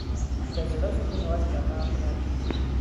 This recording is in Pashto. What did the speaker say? د زړۀ سکون یوازې د الله په یاد کې دی.